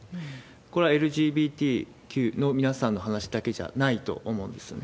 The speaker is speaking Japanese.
これはＬＧＢＴＱの皆さんの話だけじゃないと思うんですよね。